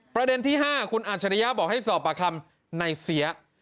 ประเด็นที่๕คุณอาจริยะบอกให้สอบประคำในเสีย